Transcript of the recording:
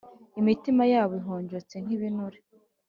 imitima yabo ihonjotse nk ibinure